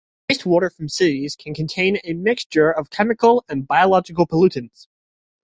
Wastewater from cities can contain a mixture of chemical and biological pollutants.